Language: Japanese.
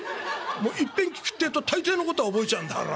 いっぺん聞くってえと大抵のことは覚えちゃうんだから。